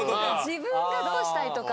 自分がどうしたいとか。